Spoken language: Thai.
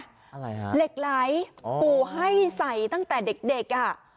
อะไรฮะเหล็กไหลปู่ให้ใส่ตั้งแต่เด็กเด็กอ่ะ